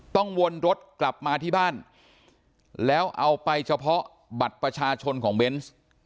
วนรถกลับมาที่บ้านแล้วเอาไปเฉพาะบัตรประชาชนของเบนส์